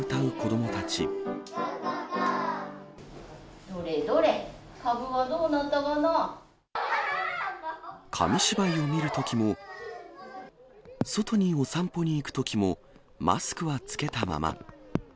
どれどれ、紙芝居を見るときも、外にお散歩に行くときも、マスクは着けたまま。